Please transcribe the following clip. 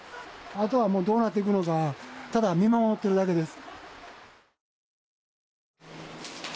あとはもうどうなっていくのかただ見守ってるだけです。